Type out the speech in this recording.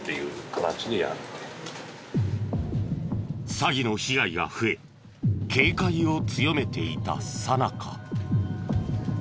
詐欺の被害が増え警戒を強めていたさなか。